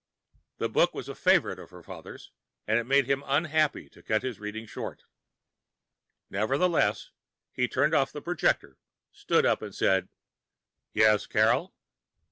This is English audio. The book was a favorite of her father's and it made him unhappy to cut his reading short. Nevertheless, he turned off the projector, stood up, and said, "Yes, Carol?"